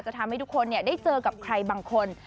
ทำให้ทุกคนได้เจอกับใครบางคน